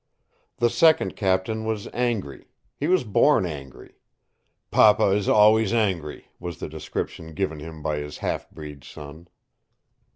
The second captain was angry. He was born angry. "Papa is always angry," was the description given him by his half breed son.